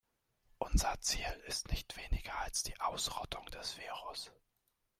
Unser Ziel ist nicht weniger als die Ausrottung des Virus.